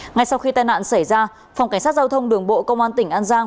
ngay sau khi tai nạn xảy ra phòng cảnh sát giao thông đường bộ công an tỉnh an giang